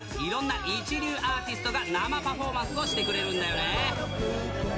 ＤａｙＤａｙ．といえば、朝からいろんな一流アーティストが生パフォーマンスをしてくれるんだよね。